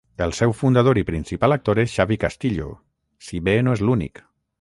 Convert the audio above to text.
El seu fundador i principal actor és Xavi Castillo, si bé no és l'únic.